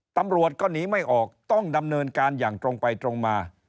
ตำรวจก็หนีไม่ออกต้องดำเนินการอย่างตรงไปตรงมา